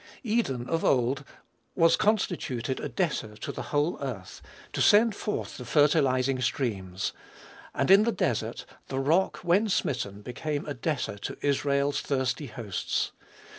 Eden, of old, was constituted a debtor to the whole earth, to send forth the fertilizing streams. And in the desert, the rock, when smitten, became a debtor to Israel's thirsty hosts.